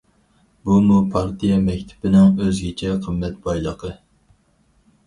بۇمۇ پارتىيە مەكتىپىنىڭ ئۆزگىچە قىممەت بايلىقى.